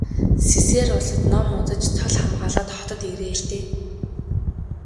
Сэсээр улсад ном үзэж цол хамгаалаад хотод ирээ л дээ.